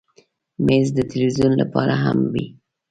مېز د تلویزیون لپاره هم وي.